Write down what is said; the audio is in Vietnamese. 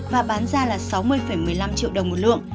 và bán ra là sáu mươi một mươi năm triệu đồng một lượng